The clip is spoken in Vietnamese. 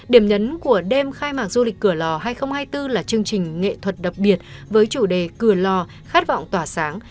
điểm nhấn của đêm khai mạc du lịch cửa lò hai nghìn hai mươi bốn là chương trình nghệ thuật đặc biệt với chủ đề cửa lò khát vọng tỏa sáng